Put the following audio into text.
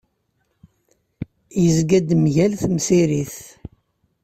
Yezga-d mgal temsirit.